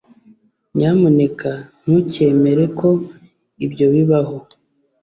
nyamuneka ntukemere ko ibyo bibaho